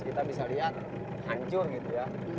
kita bisa lihat hancur gitu ya